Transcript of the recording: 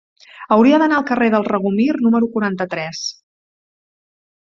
Hauria d'anar al carrer del Regomir número quaranta-tres.